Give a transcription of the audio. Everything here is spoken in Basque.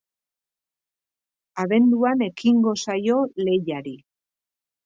Abenduan ekingo zaio lehiari.